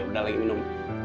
nih nanti aku mau minum